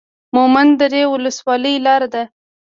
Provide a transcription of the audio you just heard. مومند درې ولسوالۍ لاره ده؟